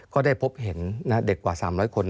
ก็ได้พบเห็นเด็กกว่า๓๐๐คน